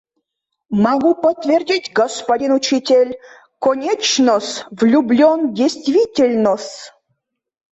Могу подтвердить, господин учитель, конечно-с, влюблён действительно-с.